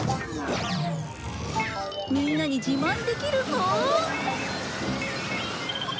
みんなに自慢できるぞ。